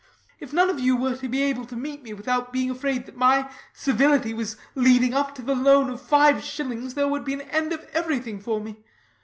If none of you were to be able to meet me without being afraid that my civility was leading up to the loan of five shillings, there would be an end of everything for me.